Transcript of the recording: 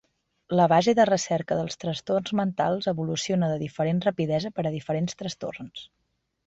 La base de recerca dels trastorns mentals evoluciona de diferent rapidesa per a diferents trastorns.